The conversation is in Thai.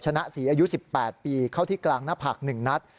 ชนะศรีอายุ๑๘ปีเข้าที่กลางหน้าผาก๑นัด